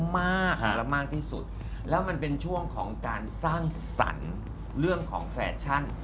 มากและมากที่สุดแล้วมันเป็นช่วงของการสร้างสรรค์เรื่องของแฟชั่น